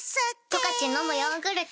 「十勝のむヨーグルト」